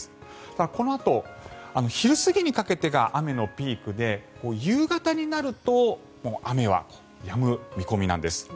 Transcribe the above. ただ、このあと昼過ぎにかけてが雨のピークで夕方になると雨はやむ見込みなんです。